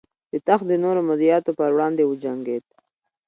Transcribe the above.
د تخت د نورو مدعیانو پر وړاندې وجنګېد.